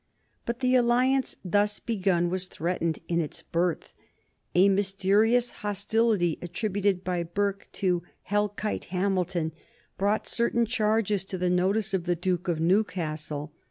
But the alliance thus begun was threatened in its birth. A mysterious hostility attributed by Burke to "Hell Kite" Hamilton brought certain charges to the notice of the Duke of Newcastle.